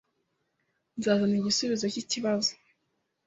Nzazana igisubizo cyikibazo